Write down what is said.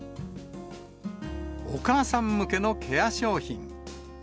お母さん向けのケア商品。